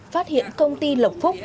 phát hiện công ty lộc phúc